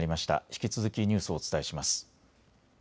引き続きニュースをお伝えします。